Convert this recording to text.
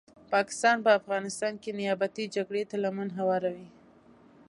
پاکستان په افغانستان کې نیابتې جګړي ته لمن هواروي